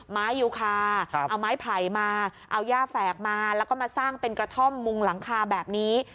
ไม้ยูคาเอาไม้ไผ่มาเอาย่าแฝกมาแล้วก็มาสร้างเป็นกระท่อมมุงหลังคาแบบนี้